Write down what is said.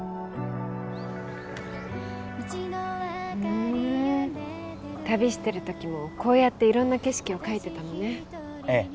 ふん旅してるときもこうやって色んな景色を描いてたのねええ